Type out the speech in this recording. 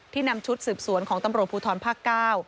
ที่นำชุดสืบสวนของตำรวจพูทรภาคเก้า